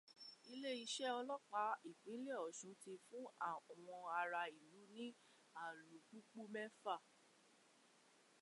Ilé iṣẹ́ ọlọ́pàá ìpínlẹ̀ Ọ̀ṣun ti fun àwọn ará ìlú ní alùpùpù mẹ́fà